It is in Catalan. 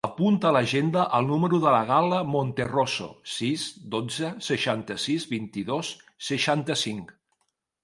Apunta a l'agenda el número de la Gal·la Monterroso: sis, dotze, seixanta-sis, vint-i-dos, seixanta-cinc.